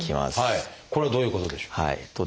これはどういうことでしょう？